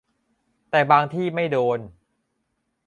แต่บางที่ไม่โดน